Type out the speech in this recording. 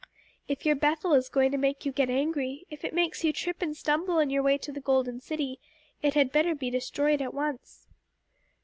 "If your Bethel is going to make you get angry if it makes you trip and stumble on your way to the Golden City, it had better be destroyed at once."